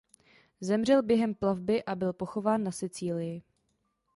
Zemřel během plavby a byl pochován na Sicílii.